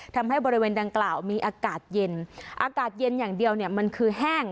ทำให้บริเวณดังกล่าวมีอากาศเย็นอากาศเย็นอย่างเดียวเนี่ยมันคือแห้ง